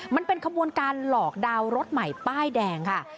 มันเป็นขบวนการหลอกดาวน์รถใหม่ป้ายแดงค่ะ